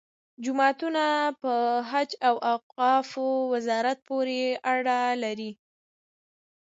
جوماتونه په حج او اوقافو وزارت پورې اړه لري.